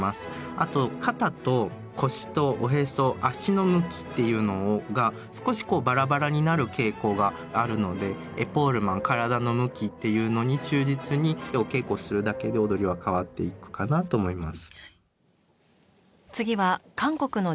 あと肩と腰とおへそ足の向きっていうのが少しこうバラバラになる傾向があるのでエポールマン体の向きっていうのに忠実にお稽古するだけで踊りは変わっていくかなと思います。